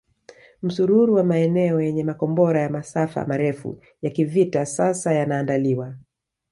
Msururu wa maeneo yenye makombora ya masafa marefu ya kivita sasa yanaandaliwa